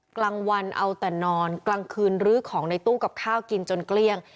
กลางวันเอาแต่นอนกลางคืนลื้อของในตู้กับข้าวกินจนเกลี้ยง